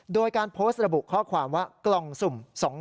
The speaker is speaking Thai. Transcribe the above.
โดยการโพสต์ระบุข้อความว่ากล่องสุ่ม๒๐